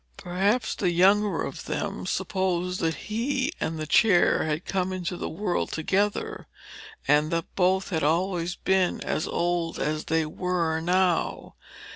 Perhaps the younger of them supposed that he and the chair had come into the world together, and that both had always been as old as they were now.